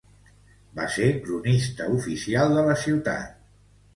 Va ser cronista oficial de la ciutat.